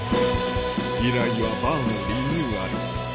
依頼はバーのリニューアル